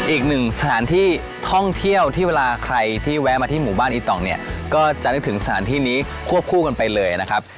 อีกหนึ่งสถานที่ท่องเที่ยวที่เวลาใครที่แวะมาที่หมู่บ้านอีตองเนี่ยก็จะนึกถึงสถานที่นี้ควบคู่กันไปเลยนะครับ